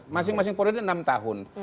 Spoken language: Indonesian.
masing masing periode enam tahun